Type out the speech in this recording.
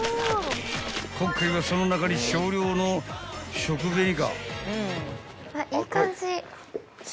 ［今回はその中に少量の食紅が］